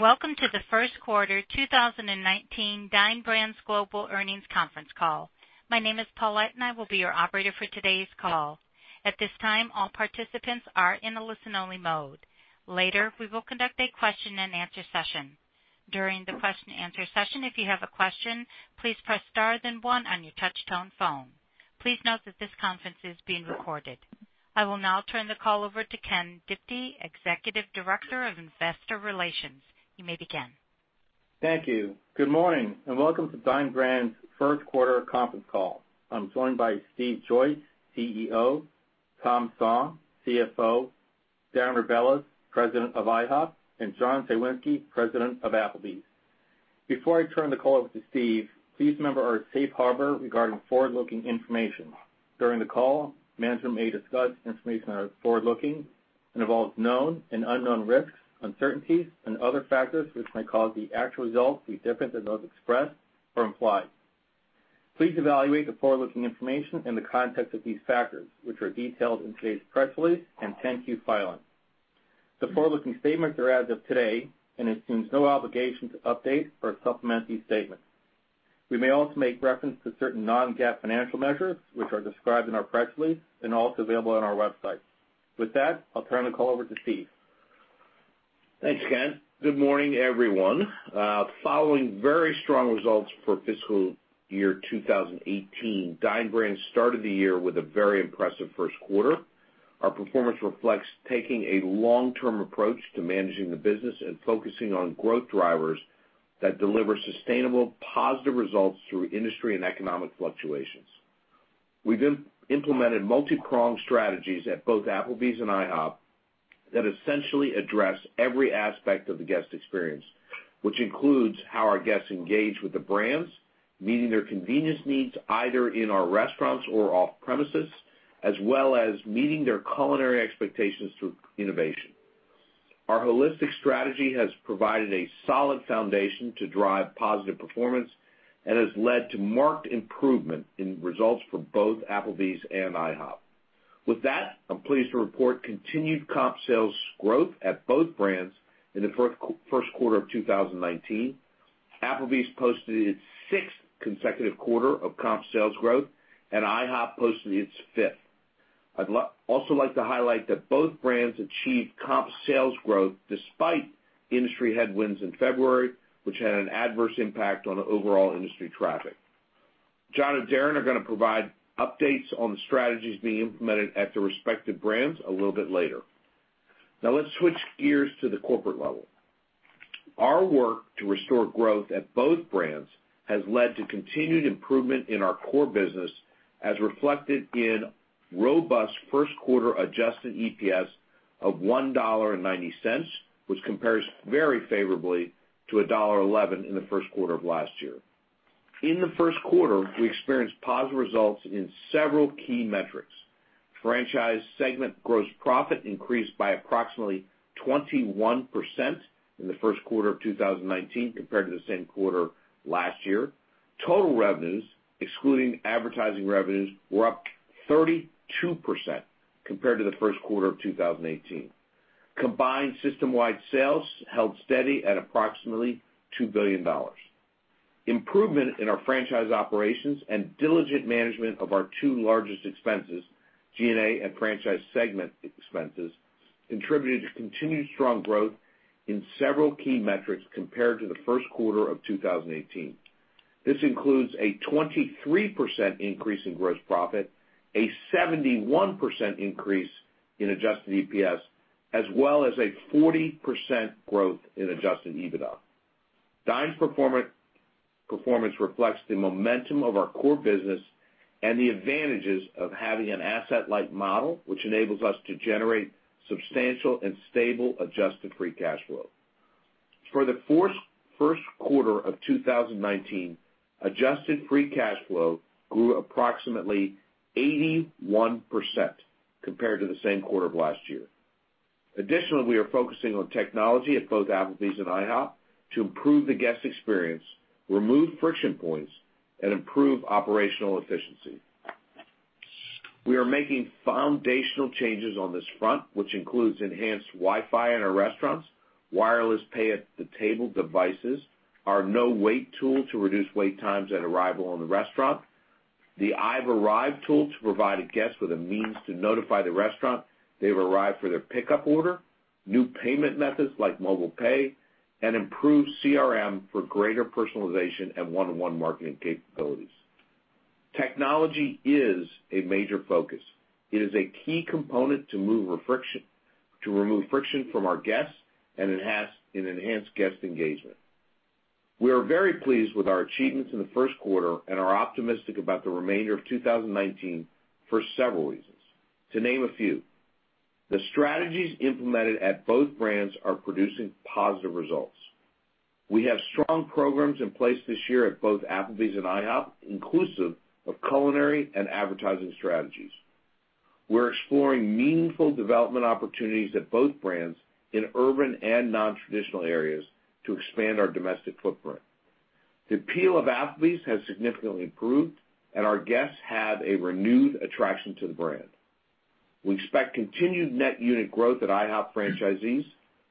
Welcome to the first quarter 2019 Dine Brands Global earnings conference call. My name is Paulette, and I will be your operator for today's call. At this time, all participants are in a listen-only mode. Later, we will conduct a question answer session. During the question answer session, if you have a question, please press star then one on your touch tone phone. Please note that this conference is being recorded. I will now turn the call over to Ken Diptee, Executive Director of Investor Relations. You may begin. Thank you. Good morning, and welcome to Dine Brands' first quarter conference call. I'm joined by Stephen Joyce, CEO, Thomas Song, CFO, Darren Rebelez, President of IHOP, and John Cywinski, President of Applebee's. Before I turn the call over to Steve, please remember our safe harbor regarding forward-looking information. During the call, management may discuss information that is forward-looking and involves known and unknown risks, uncertainties, and other factors which may cause the actual results to be different than those expressed or implied. Please evaluate the forward-looking information in the context of these factors, which are detailed in today's press release and 10-Q filing. The forward-looking statements are as of today and assumes no obligation to update or supplement these statements. We may also make reference to certain non-GAAP financial measures, which are described in our press release and also available on our website. With that, I'll turn the call over to Steve. Thanks, Ken. Good morning, everyone. Following very strong results for fiscal year 2018, Dine Brands started the year with a very impressive first quarter. Our performance reflects taking a long-term approach to managing the business and focusing on growth drivers that deliver sustainable positive results through industry and economic fluctuations. We've implemented multi-pronged strategies at both Applebee's and IHOP that essentially address every aspect of the guest experience, which includes how our guests engage with the brands, meeting their convenience needs either in our restaurants or off premises, as well as meeting their culinary expectations through innovation. Our holistic strategy has provided a solid foundation to drive positive performance and has led to marked improvement in results for both Applebee's and IHOP. With that, I'm pleased to report continued comp sales growth at both brands in the first quarter of 2019. Applebee's posted its sixth consecutive quarter of comp sales growth, and IHOP posted its fifth. I'd also like to highlight that both brands achieved comp sales growth despite industry headwinds in February, which had an adverse impact on overall industry traffic. John and Darren are going to provide updates on the strategies being implemented at the respective brands a little bit later. Let's switch gears to the corporate level. Our work to restore growth at both brands has led to continued improvement in our core business, as reflected in robust first quarter adjusted EPS of $1.90, which compares very favorably to $1.11 in the first quarter of last year. In the first quarter, we experienced positive results in several key metrics. Franchise segment gross profit increased by approximately 21% in the first quarter of 2019 compared to the same quarter last year. Total revenues, excluding advertising revenues, were up 32% compared to the first quarter of 2018. Combined system-wide sales held steady at approximately $2 billion. Improvement in our franchise operations and diligent management of our two largest expenses, G&A and franchise segment expenses, contributed to continued strong growth in several key metrics compared to the first quarter of 2018. This includes a 23% increase in gross profit, a 71% increase in adjusted EPS, as well as a 40% growth in adjusted EBITDA. Dine's performance reflects the momentum of our core business and the advantages of having an asset-light model, which enables us to generate substantial and stable adjusted free cash flow. For the first quarter of 2019, adjusted free cash flow grew approximately 81% compared to the same quarter of last year. Additionally, we are focusing on technology at both Applebee's and IHOP to improve the guest experience, remove friction points, and improve operational efficiency. We are making foundational changes on this front, which includes enhanced Wi-Fi in our restaurants, wireless pay at the table devices, our No Wait tool to reduce wait times at arrival in the restaurant, the I've Arrived tool to provide a guest with a means to notify the restaurant they've arrived for their pickup order, new payment methods like mobile pay, and improved CRM for greater personalization and one-on-one marketing capabilities. Technology is a major focus. It is a key component to remove friction from our guests and enhance guest engagement. We are very pleased with our achievements in the first quarter and are optimistic about the remainder of 2019 for several reasons. To name a few, the strategies implemented at both brands are producing positive results. We have strong programs in place this year at both Applebee's and IHOP, inclusive of culinary and advertising strategies. We're exploring meaningful development opportunities at both brands in urban and non-traditional areas to expand our domestic footprint. The appeal of Applebee's has significantly improved, and our guests have a renewed attraction to the brand. We expect continued net unit growth at IHOP franchisees,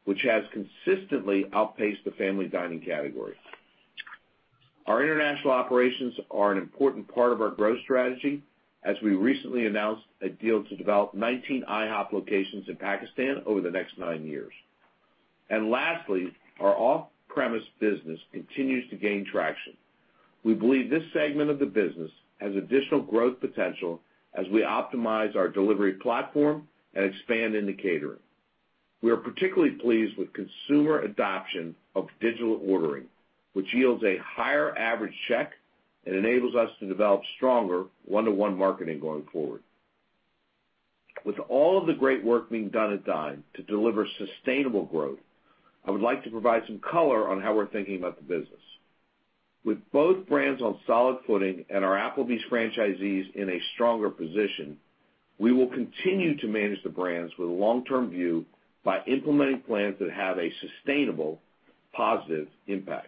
which has consistently outpaced the family dining category. Our international operations are an important part of our growth strategy, as we recently announced a deal to develop 19 IHOP locations in Pakistan over the next nine years. Lastly, our off-premise business continues to gain traction. We believe this segment of the business has additional growth potential as we optimize our delivery platform and expand into catering. We are particularly pleased with consumer adoption of digital ordering, which yields a higher average check and enables us to develop stronger one-to-one marketing going forward. With all of the great work being done at Dine to deliver sustainable growth, I would like to provide some color on how we're thinking about the business. With both brands on solid footing and our Applebee's franchisees in a stronger position, we will continue to manage the brands with a long-term view by implementing plans that have a sustainable, positive impact.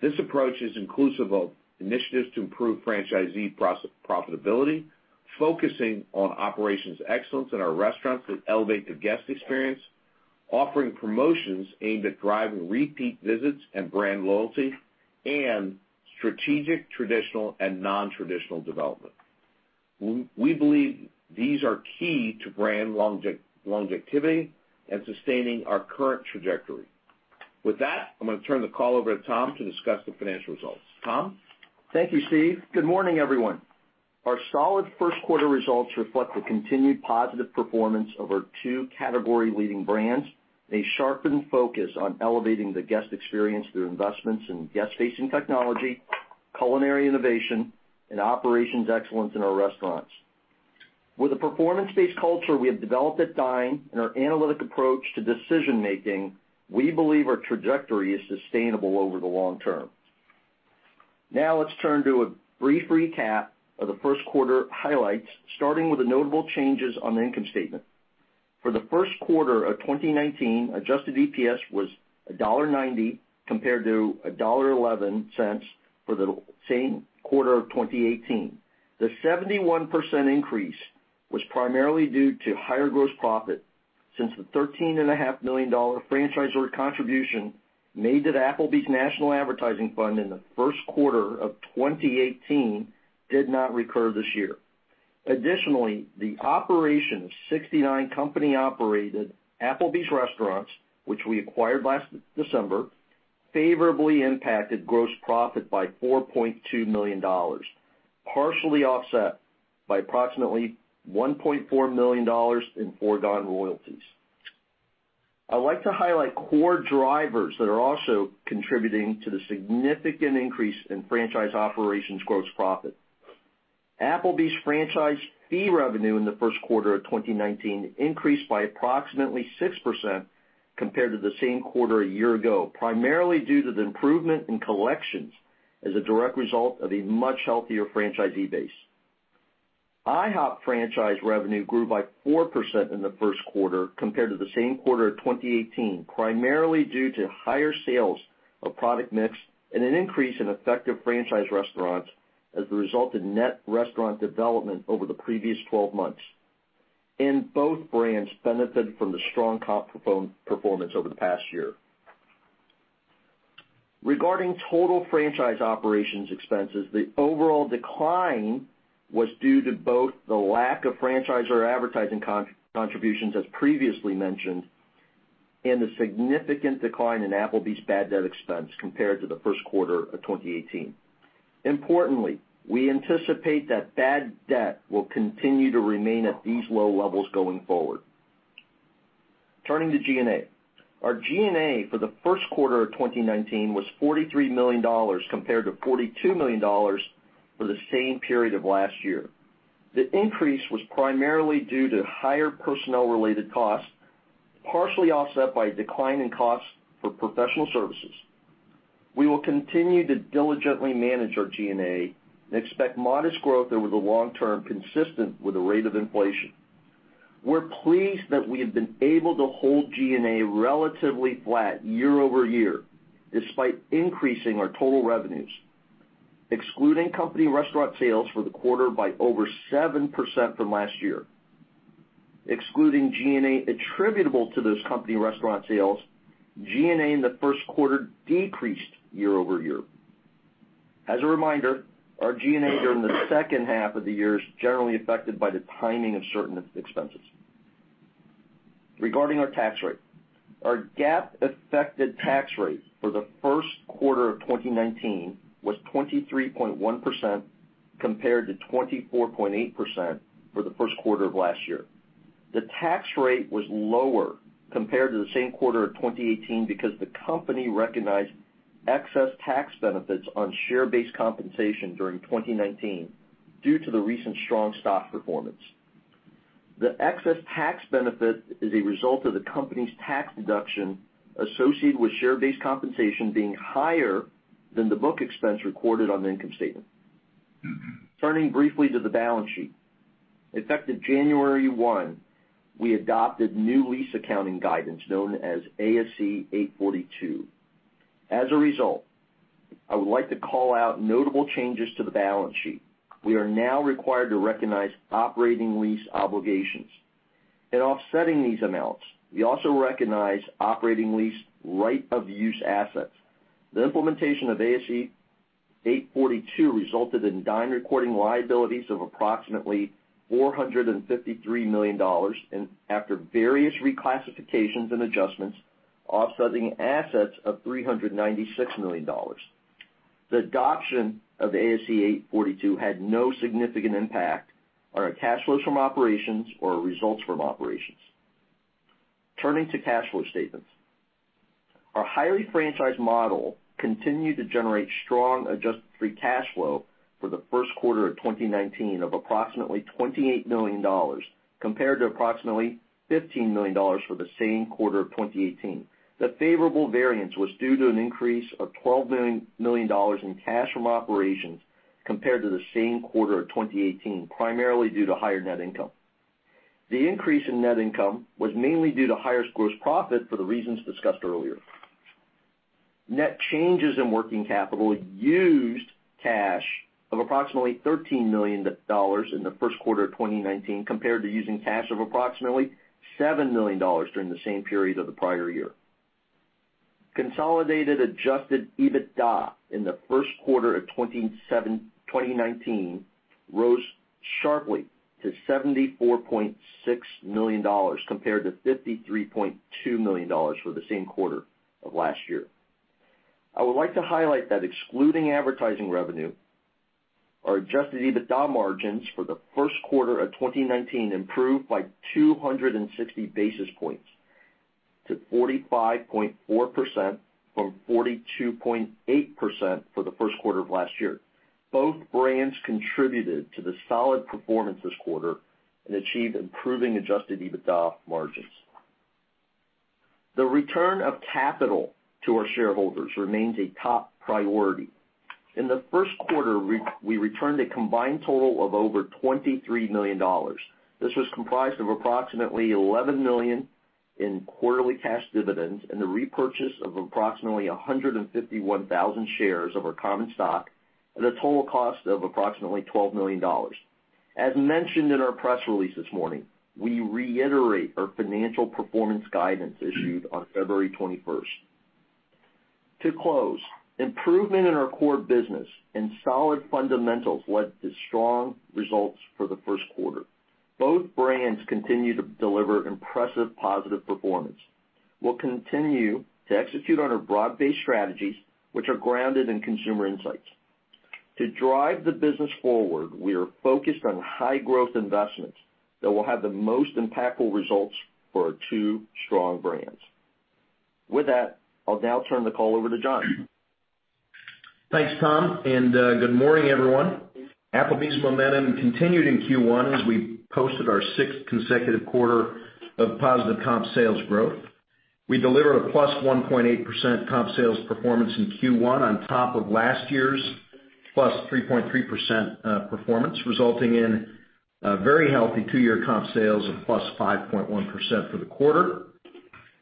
This approach is inclusive of initiatives to improve franchisee profitability, focusing on operations excellence in our restaurants that elevate the guest experience, offering promotions aimed at driving repeat visits and brand loyalty, and strategic traditional and non-traditional development. We believe these are key to brand longevity and sustaining our current trajectory. With that, I'm going to turn the call over to Tom to discuss the financial results. Tom? Additionally, the operation of 69 company-operated Applebee's restaurants, which we acquired last December, favorably impacted gross profit by $4.2 million, partially offset by approximately $1.4 million in foregone royalties. I'd like to highlight core drivers that are also contributing to the significant increase in franchise operations gross profit. Applebee's franchise fee revenue in the first quarter of 2019 increased by approximately 6% compared to the same quarter a year ago, primarily due to the improvement in collections as a direct result of a much healthier franchisee base. IHOP franchise revenue grew by 4% in the first quarter compared to the same quarter of 2018, primarily due to higher sales of product mix and an increase in effective franchise restaurants we anticipate that bad debt will continue to remain at these low levels going forward. Turning to G&A. Our G&A for the first quarter of 2019 was $43 million, compared to $42 million for the same period of last year. The increase was primarily due to higher personnel-related costs, partially offset by a decline in costs for professional services. We will continue to diligently manage our G&A and expect modest growth over the long term consistent with the rate of inflation. We're pleased that we have been able to hold G&A relatively flat year-over-year, despite increasing our total revenues, excluding company restaurant sales for the quarter by over 7% from last year. Excluding G&A attributable to those company restaurant sales, G&A in the first quarter decreased year-over-year. As a reminder, our G&A during the second half of the year is generally affected by the timing of certain expenses. Regarding our tax rate. Our GAAP-affected tax rate for the first quarter of 2019 was 23.1%, compared to 24.8% for the first quarter of last year. The tax rate was lower compared to the same quarter of 2018 because the company recognized excess tax benefits on share-based compensation during 2019 due to the recent strong stock performance. The excess tax benefit is a result of the company's tax deduction associated with share-based compensation being higher than the book expense recorded on the income statement. Turning briefly to the balance sheet. Effective January 1, we adopted new lease accounting guidance known as ASC 842. As a result, I would like to call out notable changes to the balance sheet. We are now required to recognize operating lease obligations. In offsetting these amounts, we also recognize operating lease right of use assets. The implementation of ASC 842 resulted in Dine recording liabilities of approximately $453 million, and after various reclassifications and adjustments, offsetting assets of $396 million. The adoption of ASC 842 had no significant impact on our cash flows from operations or results from operations. Turning to cash flow statements. Our highly franchised model continued to generate strong adjusted free cash flow for the first quarter of 2019 of approximately $28 million, compared to approximately $15 million for the same quarter of 2018. The favorable variance was due to an increase of $12 million in cash from operations compared to the same quarter of 2018, primarily due to higher net income. The increase in net income was mainly due to higher gross profit for the reasons discussed earlier. Net changes in working capital used cash of approximately $13 million in the first quarter of 2019, compared to using cash of approximately $7 million during the same period of the prior year. Consolidated adjusted EBITDA in the first quarter of 2019 rose sharply to $74.6 million, compared to $53.2 million for the same quarter of last year. I would like to highlight that excluding advertising revenue, our adjusted EBITDA margins for the first quarter of 2019 improved by 260 basis points to 45.4% from 42.8% for the first quarter of last year. Both brands contributed to the solid performance this quarter and achieved improving adjusted EBITDA margins. The return of capital to our shareholders remains a top priority. In the first quarter, we returned a combined total of over $23 million. This was comprised of approximately $11 million in quarterly cash dividends and the repurchase of approximately 151,000 shares of our common stock at a total cost of approximately $12 million. As mentioned in our press release this morning, we reiterate our financial performance guidance issued on February 21st. To close, improvement in our core business and solid fundamentals led to strong results for the first quarter. Both brands continue to deliver impressive positive performance. We'll continue to execute on our broad-based strategies, which are grounded in consumer insights. To drive the business forward, we are focused on high-growth investments that will have the most impactful results for our two strong brands. With that, I'll now turn the call over to John. Thanks, Tom, and good morning, everyone. Applebee's momentum continued in Q1 as we posted our sixth consecutive quarter of positive comp sales growth. We delivered a plus 1.8% comp sales performance in Q1 on top of last year's plus 3.3% performance, resulting in a very healthy two-year comp sales of plus 5.1% for the quarter.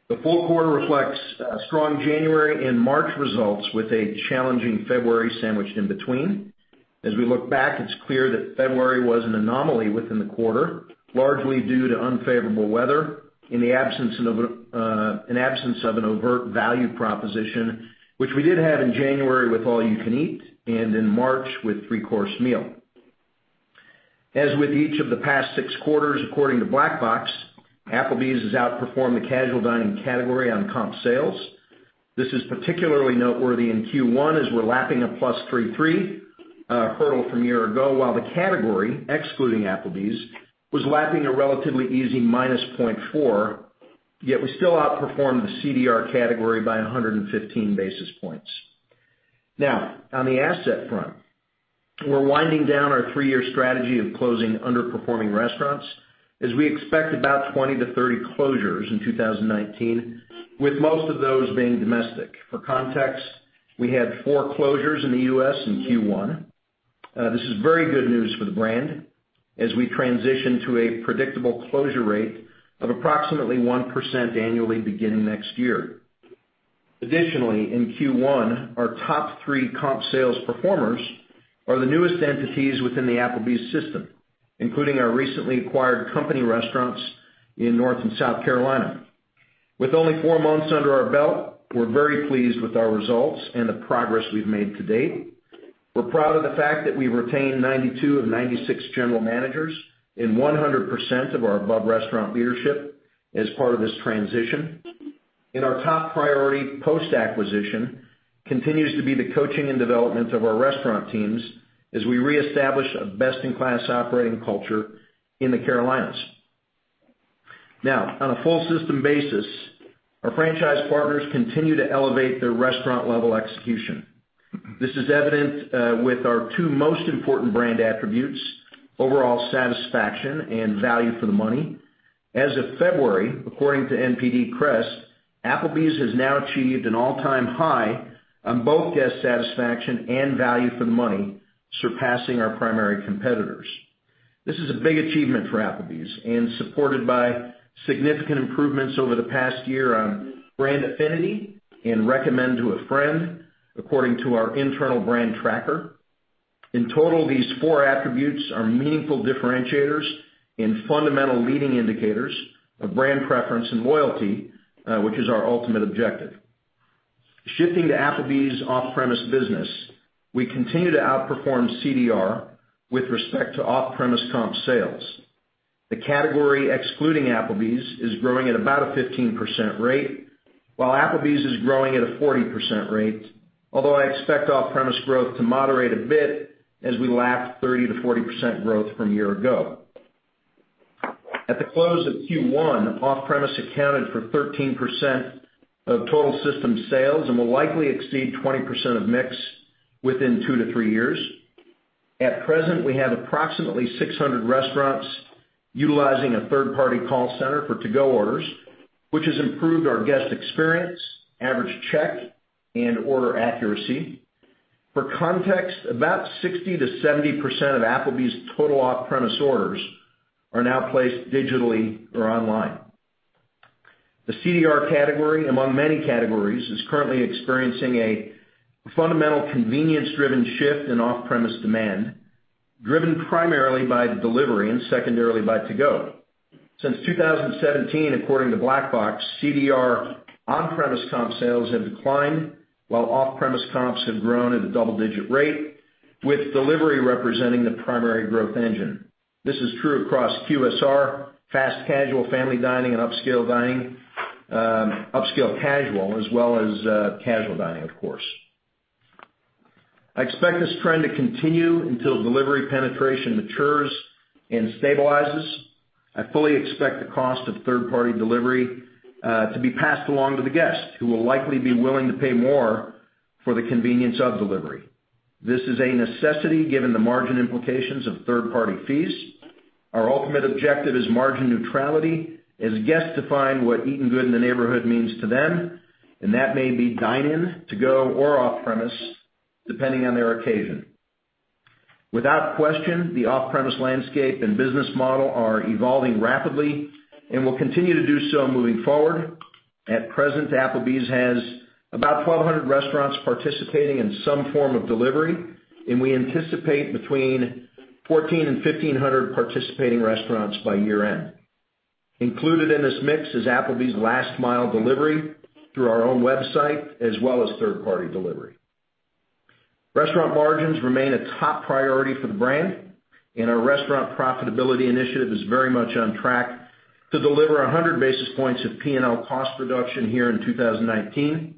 The full quarter reflects strong January and March results, with a challenging February sandwiched in between. As we look back, it's clear that February was an anomaly within the quarter, largely due to unfavorable weather and the absence of an overt value proposition, which we did have in January with All You Can Eat and in March with Three-Course Meal. As with each of the past six quarters, according to Black Box, Applebee's has outperformed the casual dining category on comp sales. This is particularly noteworthy in Q1 as we're lapping a plus 3.3% hurdle from a year ago, while the category, excluding Applebee's, was lapping a relatively easy minus 0.4%, yet we still outperformed the CDR category by 115 basis points. Now, on the asset front, we're winding down our three-year strategy of closing underperforming restaurants as we expect about 20 to 30 closures in 2019, with most of those being domestic. For context, we had four closures in the U.S. in Q1. This is very good news for the brand as we transition to a predictable closure rate of approximately 1% annually beginning next year. Additionally, in Q1, our top three comp sales performers are the newest entities within the Applebee's system, including our recently acquired company restaurants in North and South Carolina. With only four months under our belt, we are very pleased with our results and the progress we have made to date. We are proud of the fact that we retained 92 of 96 general managers and 100% of our above-restaurant leadership as part of this transition, and our top priority post-acquisition continues to be the coaching and development of our restaurant teams as we reestablish a best-in-class operating culture in the Carolinas. On a full system basis, our franchise partners continue to elevate their restaurant-level execution. This is evident with our two most important brand attributes, overall satisfaction and value for the money. As of February, according to NPD CREST, Applebee's has now achieved an all-time high on both guest satisfaction and value for the money, surpassing our primary competitors. This is a big achievement for Applebee's and supported by significant improvements over the past year on brand affinity and recommend to a friend, according to our internal brand tracker. In total, these four attributes are meaningful differentiators and fundamental leading indicators of brand preference and loyalty, which is our ultimate objective. Shifting to Applebee's off-premise business, we continue to outperform CDR with respect to off-premise comp sales. The category excluding Applebee's is growing at about a 15% rate, while Applebee's is growing at a 40% rate. Although I expect off-premise growth to moderate a bit as we lap 30%-40% growth from a year ago. At the close of Q1, off-premise accounted for 13% of total system sales and will likely exceed 20% of mix within two to three years. At present, we have approximately 600 restaurants utilizing a third-party call center for To Go orders, which has improved our guest experience, average check, and order accuracy. For context, about 60%-70% of Applebee's total off-premise orders are now placed digitally or online. The CDR category, among many categories, is currently experiencing a fundamental convenience-driven shift in off-premise demand, driven primarily by delivery and secondarily by To Go. Since 2017, according to Black Box, CDR on-premise comp sales have declined, while off-premise comps have grown at a double-digit rate, with delivery representing the primary growth engine. This is true across QSR, fast casual, family dining, and upscale casual, as well as casual dining, of course. I expect this trend to continue until delivery penetration matures and stabilizes. I fully expect the cost of third-party delivery to be passed along to the guest, who will likely be willing to pay more for the convenience of delivery. This is a necessity, given the margin implications of third-party fees. Our ultimate objective is margin neutrality as guests define what eating good in the neighborhood means to them, and that may be dine-in, To Go, or off-premise, depending on their occasion. Without question, the off-premise landscape and business model are evolving rapidly and will continue to do so moving forward. At present, Applebee's has about 1,200 restaurants participating in some form of delivery, and we anticipate between 1,400 and 1,500 participating restaurants by year-end. Included in this mix is Applebee's last mile delivery through our own website, as well as third-party delivery. Restaurant margins remain a top priority for the brand. Our restaurant profitability initiative is very much on track to deliver 100 basis points of P&L cost reduction here in 2019.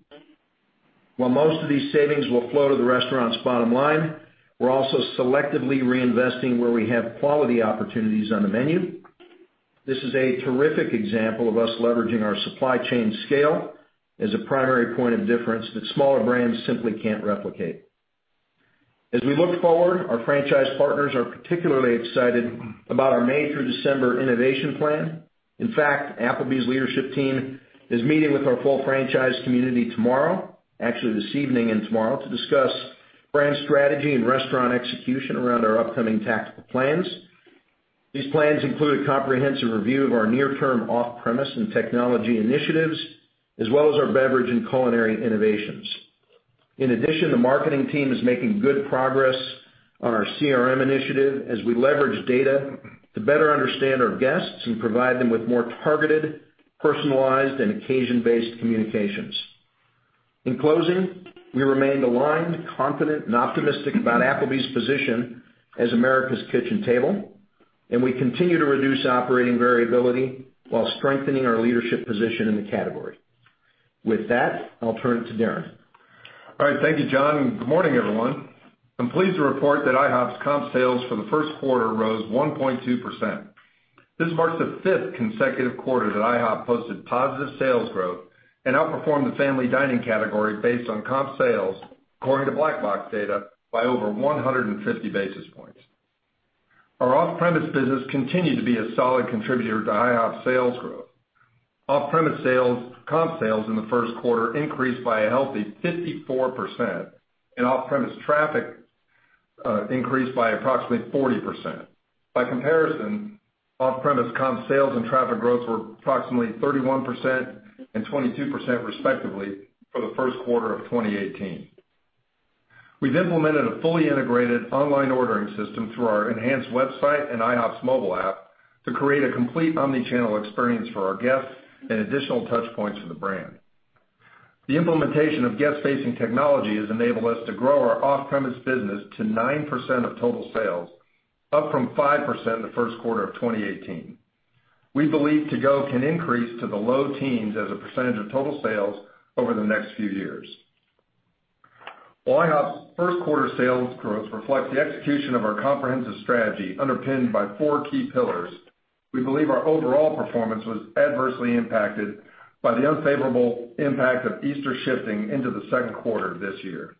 While most of these savings will flow to the restaurant's bottom line, we're also selectively reinvesting where we have quality opportunities on the menu. This is a terrific example of us leveraging our supply chain scale as a primary point of difference that smaller brands simply can't replicate. As we look forward, our franchise partners are particularly excited about our May through December innovation plan. In fact, Applebee's leadership team is meeting with our full franchise community tomorrow, actually this evening and tomorrow, to discuss brand strategy and restaurant execution around our upcoming tactical plans. These plans include a comprehensive review of our near-term off-premise and technology initiatives, as well as our beverage and culinary innovations. The marketing team is making good progress on our CRM initiative as we leverage data to better understand our guests and provide them with more targeted, personalized, and occasion-based communications. We remain aligned, confident, and optimistic about Applebee's position as America's kitchen table, and we continue to reduce operating variability while strengthening our leadership position in the category. With that, I'll turn it to Darren. All right. Thank you, John, and good morning, everyone. I'm pleased to report that IHOP's comp sales for the first quarter rose 1.2%. This marks the fifth consecutive quarter that IHOP posted positive sales growth and outperformed the family dining category based on comp sales according to Black Box data by over 150 basis points. Our off-premise business continued to be a solid contributor to IHOP's sales growth. Off-premise comp sales in the first quarter increased by a healthy 54%, and off-premise traffic increased by approximately 40%. By comparison, off-premise comp sales and traffic growth were approximately 31% and 22% respectively for the first quarter of 2018. We've implemented a fully integrated online ordering system through our enhanced website and IHOP's mobile app to create a complete omni-channel experience for our guests and additional touch points for the brand. The implementation of guest-facing technology has enabled us to grow our off-premise business to 9% of total sales, up from 5% in the first quarter of 2018. We believe To Go can increase to the low teens as a percentage of total sales over the next few years. While IHOP's first quarter sales growth reflects the execution of our comprehensive strategy underpinned by four key pillars, we believe our overall performance was adversely impacted by the unfavorable impact of Easter shifting into the second quarter this year.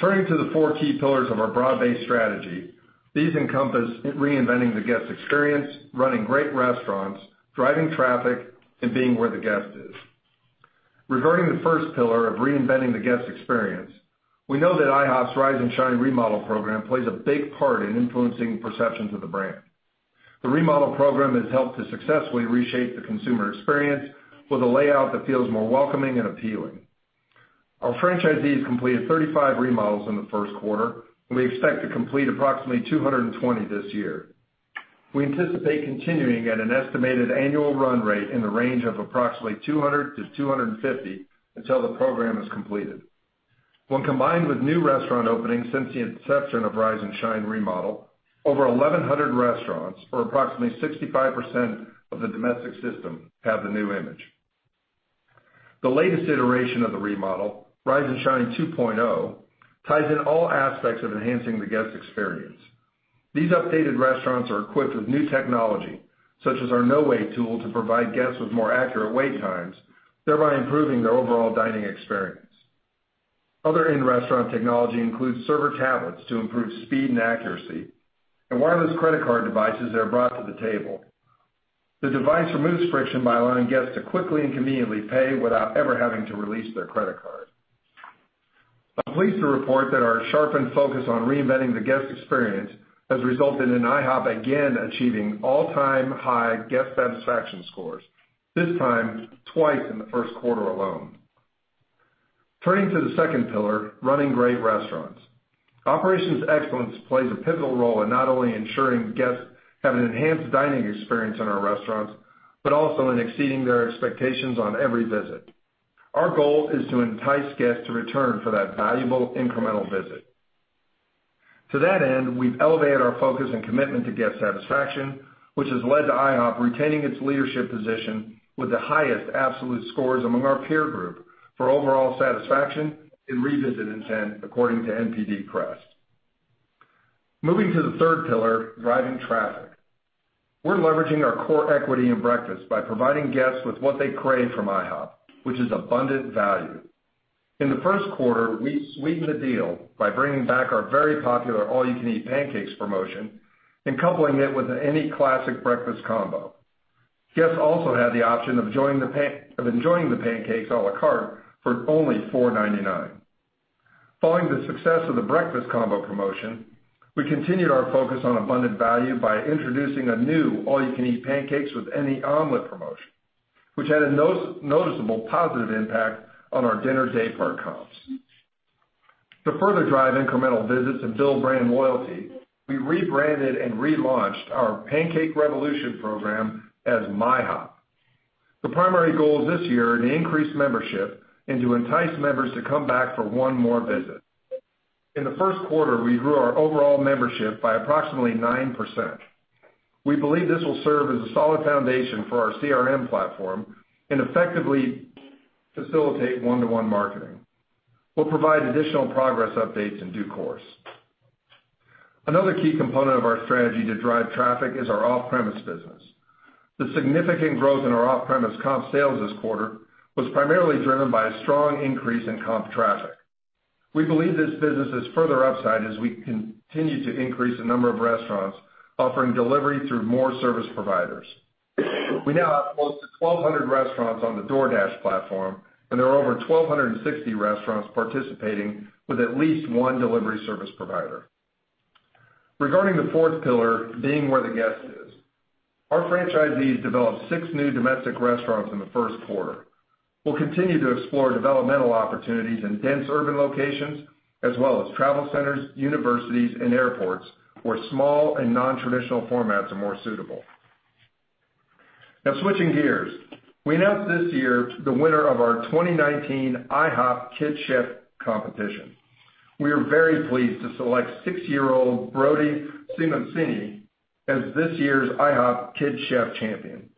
Turning to the four key pillars of our broad-based strategy, these encompass reinventing the guest experience, running great restaurants, driving traffic, and being where the guest is. Regarding the first pillar of reinventing the guest experience, we know that IHOP's Rise and Shine remodel program plays a big part in influencing perceptions of the brand. The remodel program has helped to successfully reshape the consumer experience with a layout that feels more welcoming and appealing. Our franchisees completed 35 remodels in the first quarter, and we expect to complete approximately 220 this year. We anticipate continuing at an estimated annual run rate in the range of approximately 200 to 250 until the program is completed. When combined with new restaurant openings since the inception of Rise and Shine remodel, over 1,100 restaurants, or approximately 65% of the domestic system, have the new image. The latest iteration of the remodel, Rise and Shine 2.0, ties in all aspects of enhancing the guest experience. These updated restaurants are equipped with new technology, such as our No Wait tool, to provide guests with more accurate wait times, thereby improving their overall dining experience. Other in-restaurant technology includes server tablets to improve speed and accuracy, and wireless credit card devices that are brought to the table. The device removes friction by allowing guests to quickly and conveniently pay without ever having to release their credit card. I'm pleased to report that our sharpened focus on reinventing the guest experience has resulted in IHOP again achieving all-time high guest satisfaction scores, this time twice in the first quarter alone. Turning to the second pillar, running great restaurants. Operations excellence plays a pivotal role in not only ensuring guests have an enhanced dining experience in our restaurants, but also in exceeding their expectations on every visit. Our goal is to entice guests to return for that valuable incremental visit. To that end, we've elevated our focus and commitment to guest satisfaction, which has led to IHOP retaining its leadership position with the highest absolute scores among our peer group for overall satisfaction and revisit intent, according to NPD CREST. Moving to the third pillar, driving traffic. We're leveraging our core equity in breakfast by providing guests with what they crave from IHOP, which is abundant value. In the first quarter, we sweetened the deal by bringing back our very popular All You Can Eat pancakes promotion and coupling it with any classic breakfast combo. Guests also had the option of enjoying the pancakes à la carte for only $4.99. Following the success of the breakfast combo promotion, we continued our focus on abundant value by introducing a new All You Can Eat pancakes with any omelet promotion, which had a noticeable positive impact on our dinner daypart comps. To further drive incremental visits and build brand loyalty, we rebranded and relaunched our Pancake Revolution program as MyHOP. The primary goals this year are to increase membership and to entice members to come back for one more visit. In the first quarter, we grew our overall membership by approximately 9%. We believe this will serve as a solid foundation for our CRM platform and effectively facilitate one-to-one marketing. We'll provide additional progress updates in due course. Another key component of our strategy to drive traffic is our off-premise business. The significant growth in our off-premise comp sales this quarter was primarily driven by a strong increase in comp traffic. We believe this business has further upside as we continue to increase the number of restaurants offering delivery through more service providers. We now have close to 1,200 restaurants on the DoorDash platform, and there are over 1,260 restaurants participating with at least one delivery service provider. Regarding the fourth pillar, being where the guest is, our franchisees developed six new domestic restaurants in the first quarter. We'll continue to explore developmental opportunities in dense urban locations, as well as travel centers, universities, and airports, where small and non-traditional formats are more suitable. Now switching gears, we announced this year the winner of our 2019 IHOP Kid Chef competition. We are very pleased to select six-year-old Brody Simoncini as this year's IHOP Kid Chef champion.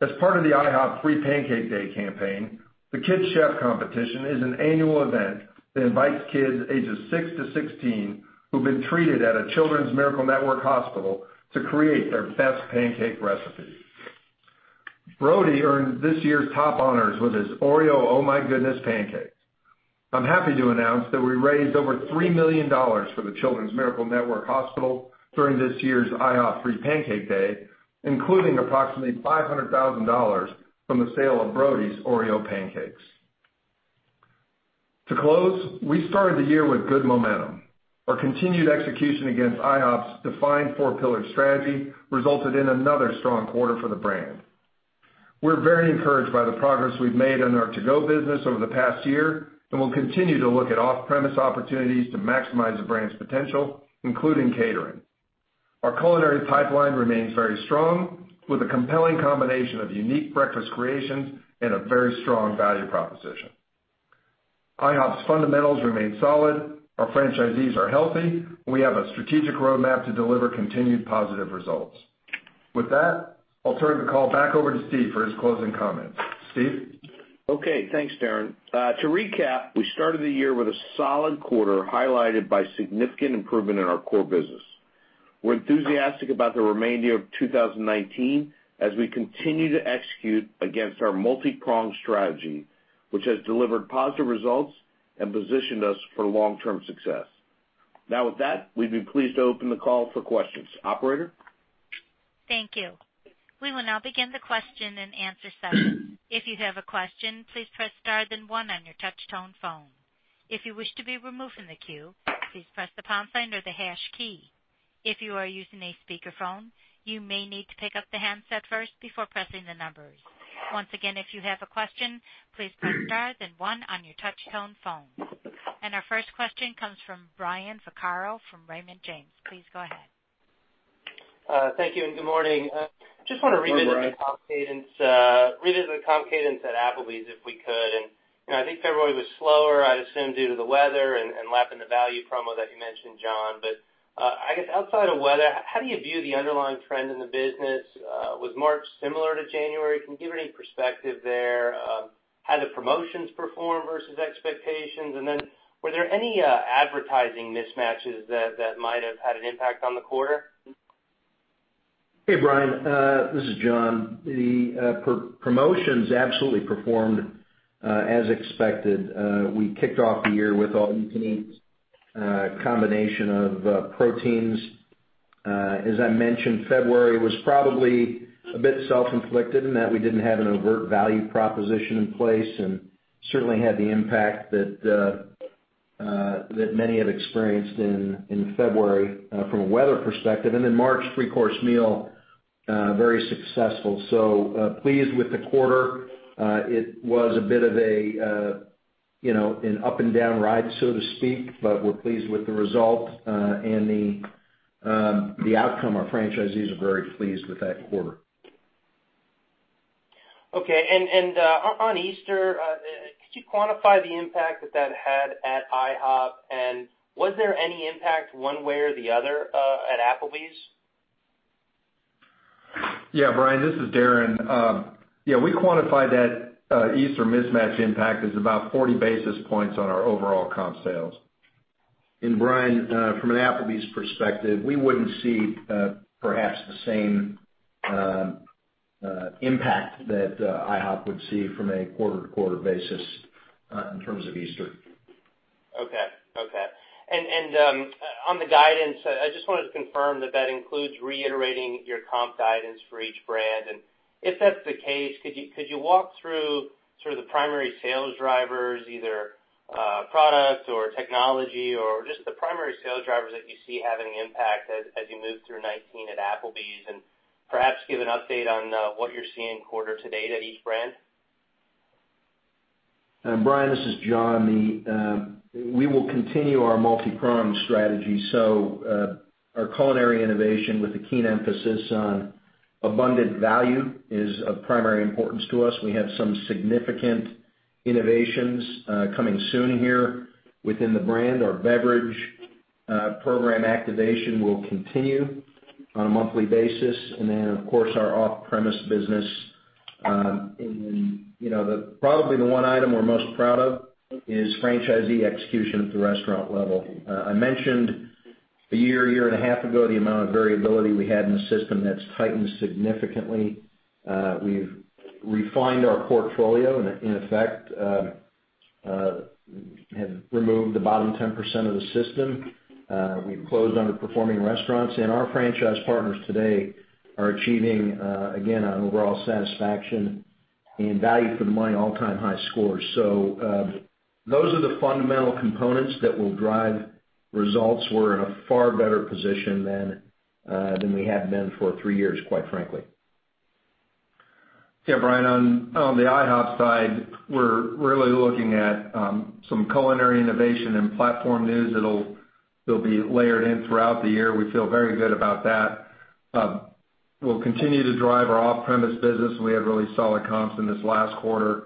As part of the IHOP Free Pancake Day campaign, the Kid Chef competition is an annual event that invites kids ages six to 16 who've been treated at a Children's Miracle Network Hospitasl to create their best pancake recipe. Brody earned this year's top honors with his OREO Oh My Goodness pancakes. I'm happy to announce that we raised over $3 million for the Children's Miracle Network Hospital during this year's IHOP Free Pancake Day, including approximately $500,000 from the sale of Brody's OREO pancakes. To close, we started the year with good momentum. Our continued execution against IHOP's defined four-pillar strategy resulted in another strong quarter for the brand. We're very encouraged by the progress we've made in our To Go business over the past year, and we'll continue to look at off-premise opportunities to maximize the brand's potential, including catering. Our culinary pipeline remains very strong with a compelling combination of unique breakfast creations and a very strong value proposition. IHOP's fundamentals remain solid. Our franchisees are healthy. We have a strategic roadmap to deliver continued positive results. With that, I'll turn the call back over to Steve for his closing comments. Steve? Okay, thanks, Darren. To recap, we started the year with a solid quarter highlighted by significant improvement in our core business. We're enthusiastic about the remaining of 2019 as we continue to execute against our multi-pronged strategy, which has delivered positive results and positioned us for long-term success. Now, with that, we'd be pleased to open the call for questions. Operator? Thank you. We will now begin the question and answer session. If you have a question, please press star then one on your touch tone phone. If you wish to be removed from the queue, please press the pound sign or the hash key. If you are using a speakerphone, you may need to pick up the handset first before pressing the numbers. Once again, if you have a question, please press star then one on your touch tone phone. Our first question comes from Brian Vaccaro from Raymond James. Please go ahead. Thank you and good morning. Good morning. Just want to revisit the comp cadence at Applebee's, if we could. I think February was slower, I'd assume, due to the weather and lapping the value promo that you mentioned, John. I guess outside of weather, how do you view the underlying trend in the business? Was March similar to January? Can you give any perspective there? How the promotions performed versus expectations? Were there any advertising mismatches that might have had an impact on the quarter? Hey, Brian. This is John. The promotions absolutely performed as expected. We kicked off the year with All You Can Eat combination of proteins. As I mentioned, February was probably a bit self-inflicted in that we didn't have an overt value proposition in place and certainly had the impact that many have experienced in February from a weather perspective. March, Three-Course Meal very successful. Pleased with the quarter. It was a bit of an up and down ride, so to speak, but we're pleased with the result and the outcome. Our franchisees are very pleased with that quarter. Okay. On Easter, could you quantify the impact that that had at IHOP? Was there any impact one way or the other at Applebee's? Yeah, Brian, this is Darren. We quantified that Easter mismatch impact is about 40 basis points on our overall comp sales. Brian, from an Applebee's perspective, we wouldn't see perhaps the same impact that IHOP would see from a quarter-to-quarter basis in terms of Easter. Okay. On the guidance, I just wanted to confirm that includes reiterating your comp guidance for each brand. If that's the case, could you walk through the primary sales drivers, either product or technology or just the primary sales drivers that you see having an impact as you move through 2019 at Applebee's? Perhaps give an update on what you're seeing quarter to date at each brand. Brian, this is John. We will continue our multi-prong strategy. Our culinary innovation with a keen emphasis on abundant value is of primary importance to us. We have some significant innovations coming soon here within the brand. Our beverage program activation will continue on a monthly basis. Of course, our off-premise business. Probably the one item we're most proud of is franchisee execution at the restaurant level. I mentioned a year and a half ago, the amount of variability we had in the system, that's tightened significantly. We've refined our portfolio, in effect, have removed the bottom 10% of the system. We've closed underperforming restaurants, and our franchise partners today are achieving, again, an overall satisfaction in value for the money all-time high scores. Those are the fundamental components that will drive results. We're in a far better position than we have been for three years, quite frankly. Yeah, Brian, on the IHOP side, we're really looking at some culinary innovation and platform news that'll be layered in throughout the year. We feel very good about that. We'll continue to drive our off-premise business. We had really solid comps in this last quarter,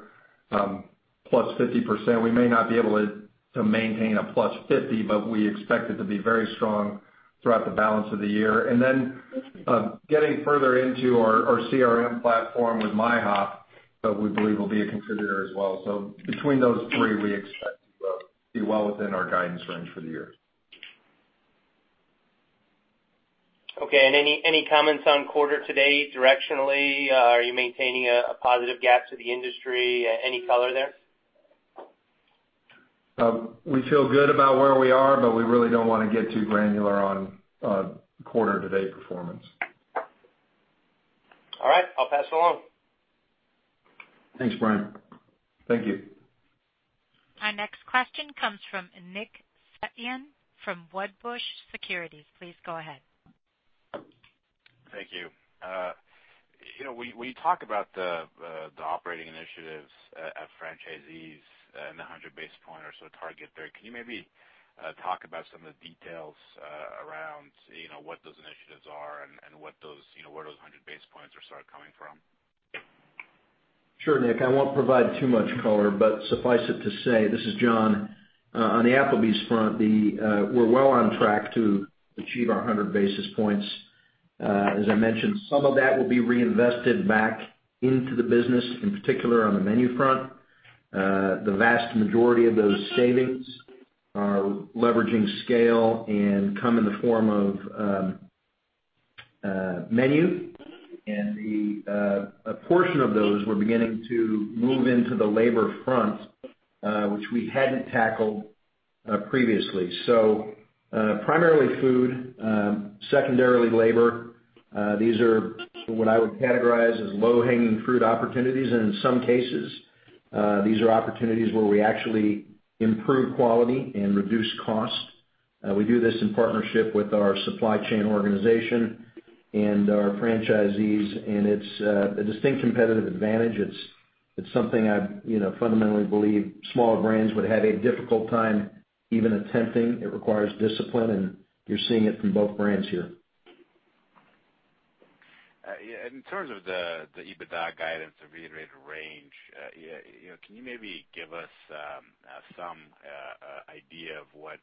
+50%. We may not be able to maintain a +50, but we expect it to be very strong throughout the balance of the year. Getting further into our CRM platform with MyHop, that we believe will be a contributor as well. Between those three, we expect to be well within our guidance range for the year. Okay. Any comments on quarter to date directionally? Are you maintaining a positive gap to the industry? Any color there? We feel good about where we are, but we really don't want to get too granular on quarter-to-date performance. All right, I'll pass it along. Thanks, Brian. Thank you. Our next question comes from Nick Setyan from Wedbush Securities. Please go ahead. Thank you. When you talk about the operating initiatives at franchisees and the 100 basis point or so target there, can you maybe talk about some of the details around what those initiatives are and where those 100 basis points are coming from? Sure, Nick. I won't provide too much color, but suffice it to say, this is John, on the Applebee's front, we're well on track to achieve our 100 basis points As I mentioned, some of that will be reinvested back into the business, in particular on the menu front. The vast majority of those savings are leveraging scale and come in the form of menu, and a portion of those we're beginning to move into the labor front, which we hadn't tackled previously. Primarily food, secondarily labor. These are what I would categorize as low-hanging fruit opportunities, and in some cases, these are opportunities where we actually improve quality and reduce cost. We do this in partnership with our supply chain organization and our franchisees, and it's a distinct competitive advantage. It's something I fundamentally believe small brands would have a difficult time even attempting. It requires discipline, and you're seeing it from both brands here. Yeah. In terms of the EBITDA guidance, the reiterated range, can you maybe give us some idea of what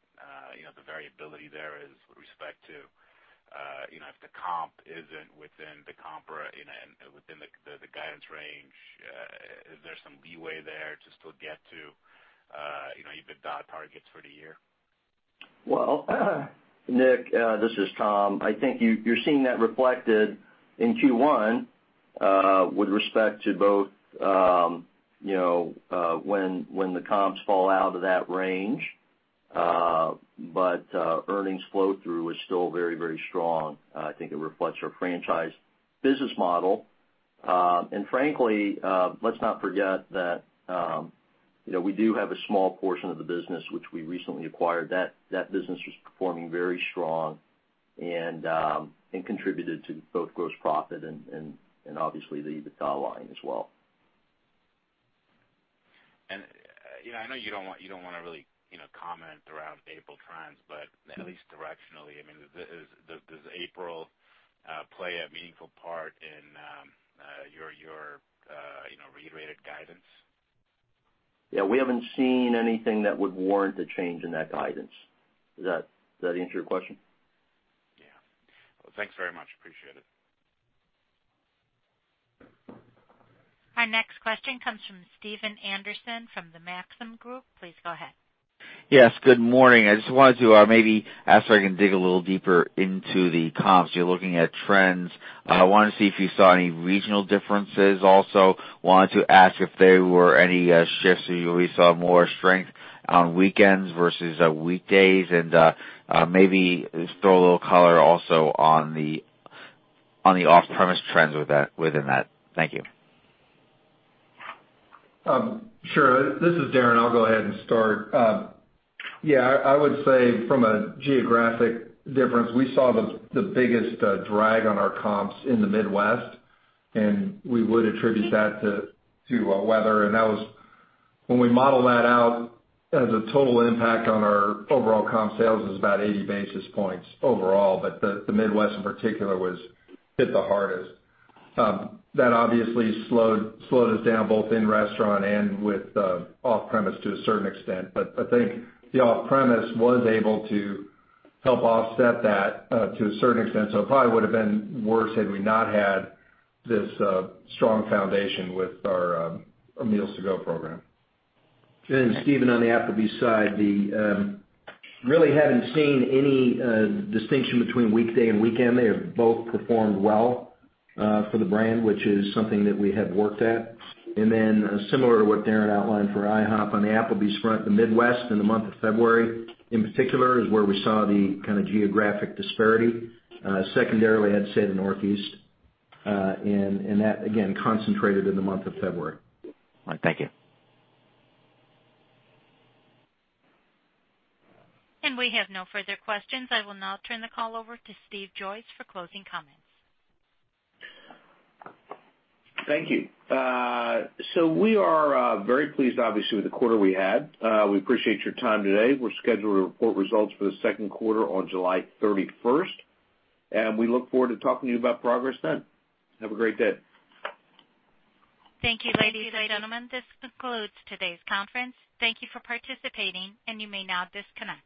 the variability there is with respect to if the comp isn't within the guidance range, is there some leeway there to still get to EBITDA targets for the year? Well, Nick, this is Tom. I think you're seeing that reflected in Q1 with respect to both when the comps fall out of that range. Earnings flow-through is still very strong. I think it reflects our franchise business model. Frankly, let's not forget that we do have a small portion of the business which we recently acquired. That business was performing very strong and contributed to both gross profit and obviously the EBITDA line as well. I know you don't want to really comment around April trends, but at least directionally, does April play a meaningful part in your reiterated guidance? Yeah, we haven't seen anything that would warrant a change in that guidance. Does that answer your question? Yeah. Well, thanks very much. Appreciate it. Our next question comes from Stephen Anderson from the Maxim Group. Please go ahead. Yes, good morning. I just wanted to maybe ask if I can dig a little deeper into the comps. You're looking at trends. I wanted to see if you saw any regional differences. Also wanted to ask if there were any shifts you saw more strength on weekends versus weekdays, and maybe just throw a little color also on the off-premise trends within that. Thank you. Sure. This is Darren. I'll go ahead and start. I would say from a geographic difference, we saw the biggest drag on our comps in the Midwest, we would attribute that to weather. When we model that out as a total impact on our overall comp sales is about 80 basis points overall. The Midwest in particular hit the hardest. That obviously slowed us down both in restaurant and with off-premise to a certain extent, I think the off-premise was able to help offset that to a certain extent. It probably would've been worse had we not had this strong foundation with our Meals to Go program. Stephen, on the Applebee's side, really haven't seen any distinction between weekday and weekend. They have both performed well for the brand, which is something that we have worked at. Similar to what Darren outlined for IHOP, on the Applebee's front, the Midwest in the month of February in particular is where we saw the geographic disparity. Secondarily, I'd say the Northeast, that, again, concentrated in the month of February. All right. Thank you. We have no further questions. I will now turn the call over to Stephen Joyce for closing comments. Thank you. We are very pleased, obviously, with the quarter we had. We appreciate your time today. We are scheduled to report results for the second quarter on July 31st, and we look forward to talking to you about progress then. Have a great day. Thank you, ladies and gentlemen. This concludes today's conference. Thank you for participating, and you may now disconnect.